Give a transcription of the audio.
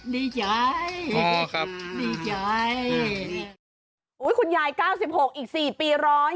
นี่ยายพ่อครับนี่ยายอุ้ยคุณยายเก้าสิบหกอีกสี่ปีร้อย